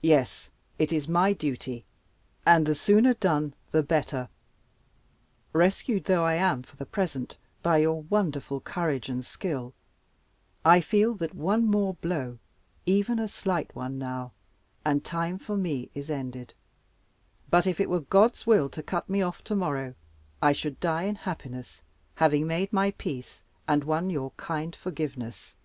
"Yes, it is my duty, and the sooner done the better. Rescued though I am, for the present, by your wonderful courage and skill, I feel that one more blow, even a slight one now, and time for me is ended. But if it were God's will to cut me off to morrow, I should die in happiness, having made my peace, and won your kind forgiveness."